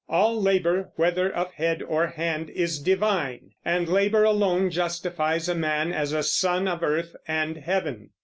All labor, whether of head or hand, is divine; and labor alone justifies a man as a son of earth and heaven.